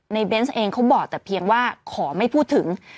เบนส์เองเขาบอกแต่เพียงว่าขอไม่พูดถึง